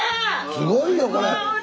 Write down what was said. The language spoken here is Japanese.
すごいよこれ。